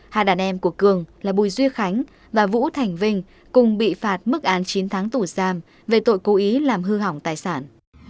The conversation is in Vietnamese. hai đàn em của cường là bùi duy khánh và vũ thành vinh cùng bị phạt mức án chín tháng tù giam về tội cố ý làm hư hỏng tài sản